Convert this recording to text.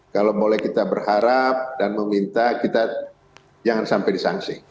kalau boleh kita berharap dan meminta kita jangan sampai disangsi